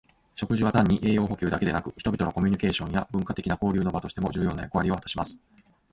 食事は単に栄養補給だけでなく、人々のコミュニケーションや文化的な交流の場としても重要な役割を果たします。